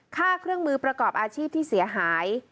ค่าเครื่องมือประกอบอาชีพที่เสียหาย